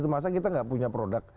masa kita nggak punya produk